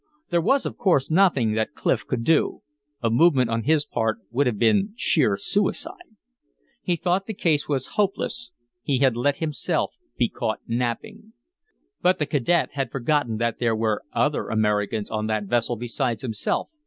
There was of course nothing that Clif could do; a movement on his part would have been sheer suicide. He thought the case was hopeless; he had let himself be caught napping. But the cadet had forgotten that there were other Americans on that vessel besides himself.